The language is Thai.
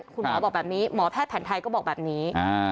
คุณหมอบอกแบบนี้หมอแพทย์แผนไทยก็บอกแบบนี้